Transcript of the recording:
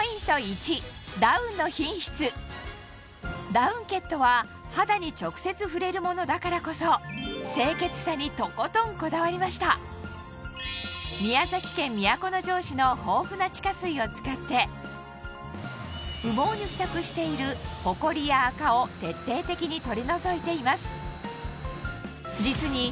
ダウンケットは肌に直接触れるものだからこそ清潔さにとことんこだわりましたの豊富な地下水を使って羽毛に付着しているホコリやアカを徹底的に取り除いています